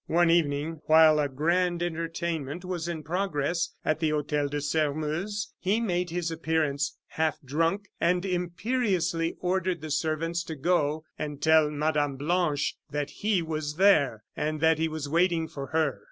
One evening, while a grand entertainment was in progress at the Hotel de Sairmeuse, he made his appearance, half drunk, and imperiously ordered the servants to go and tell Mme. Blanche that he was there, and that he was waiting for her.